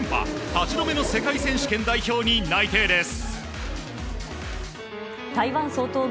８度目の世界選手権代表に内定です。